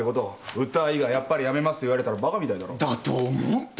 売ったはいいが「やっぱりやめます」って言われたらバカみたいだろ？だと思った俺も。